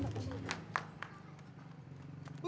tolong ada yang mau melahirkan